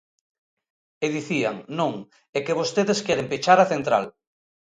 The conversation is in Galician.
E dicían: Non, é que vostedes queren pechar a central.